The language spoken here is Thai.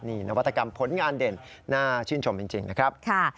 นี่นวัตกรรมผลงานเด่นน่าชื่นชมจริงนะครับ